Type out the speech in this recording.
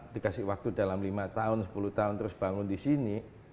dikasih waktu dalam lima tahun sepuluh tahun terus bangun di sini